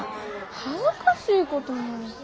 恥ずかしいことないて。